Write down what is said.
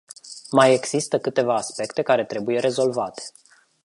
Mai există câteva aspecte care trebuie rezolvate.